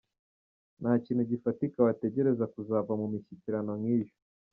Nta kintu gifatika wategereza kuzava mu mishyikirano nk’iyo !